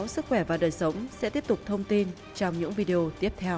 sức khỏe và đời sống sẽ tiếp tục thông tin trong những video tiếp theo